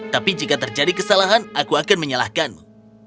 tapi jika terjadi kesalahan aku akan menyalahkanmu